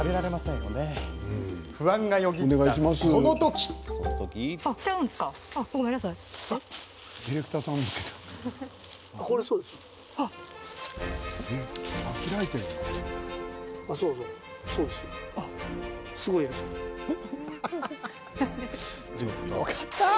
よかった！